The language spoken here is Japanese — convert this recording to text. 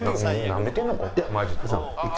なめてんのか？